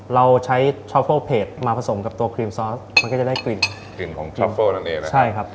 เราใช้มาผสมกับตัวครีมซอสมันก็จะได้กลิ่นกลิ่นของนั่นเองนะครับใช่ครับ